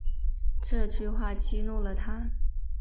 这句话激怒了他